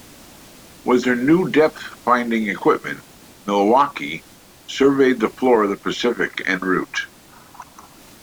With her new depth-finding equipment, "Milwaukee" surveyed the floor of the Pacific en route.